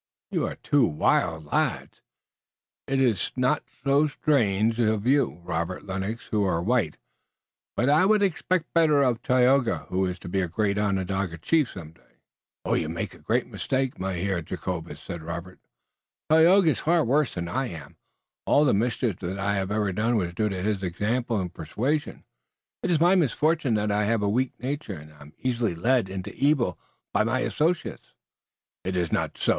You are two wild lads. It iss not so strange uf you, Robert Lennox, who are white, but I would expect better uf Tayoga, who is to be a great Onondaga chief some day." "You make a great mistake, Mynheer Jacobus," said Robert. "Tayoga is far worse than I am. All the mischief that I have ever done was due to his example and persuasion. It is my misfortune that I have a weak nature, and I am easily led into evil by my associates." "It iss not so.